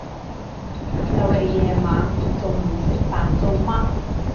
就嚟夜晚，仲唔食飯做乜？